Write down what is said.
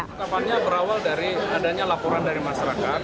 ketapannya berawal dari adanya laporan dari masyarakat